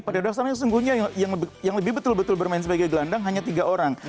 pada dasarnya sesungguhnya yang lebih betul betul bermain sebagai gelandang hanya tiga orang